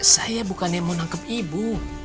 saya bukan yang mau nangkep ibu